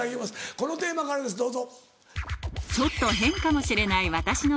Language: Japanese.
このテーマからですどうぞ。